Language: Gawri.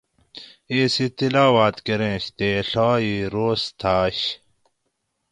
اِیس ای تلاواۤت کۤرینش تے ڷیہ ای روز تھاش